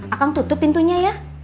akan tutup pintunya ya